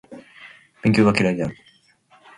勉強が嫌いである